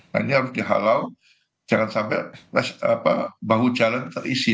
nah ini harus dihalau jangan sampai bahu jalan terisi